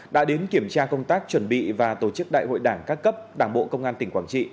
đã đến kiểm tra công tác chuẩn bị và tổ chức đại hội đảng các cấp đảng bộ công an tỉnh quảng trị